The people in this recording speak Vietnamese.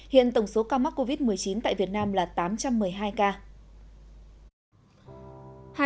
hiện tổng số ca mắc covid một mươi chín tại việt nam là tám trăm một mươi hai ca